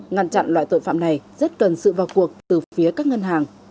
ngăn chặn loại tội phạm này rất cần sự vào cuộc từ phía các ngân hàng